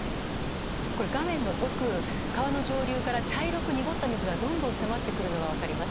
画面の奥、川の上流から茶色く濁った水がどんどん迫ってくるのが分かります。